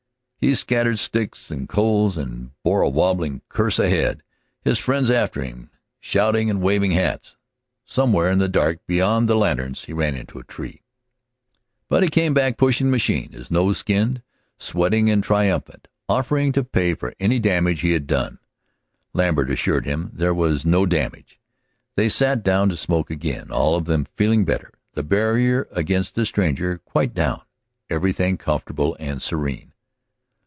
He scattered sticks and coals and bore a wabbling course ahead, his friends after him, shouting and waving hats. Somewhere in the dark beyond the lanterns he ran into a tree. But he came back pushing the machine, his nose skinned, sweating and triumphant, offering to pay for any damage he had done. Lambert assured him there was no damage. They sat down to smoke again, all of them feeling better, the barrier against the stranger quite down, everything comfortable and serene.